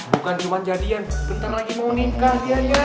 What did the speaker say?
bukan cuma jadian bentar lagi mau nikah ya